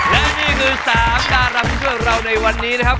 และนี่คือ๓ดารักด้วยเราในวันนี้นะครับ